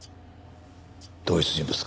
同一人物か？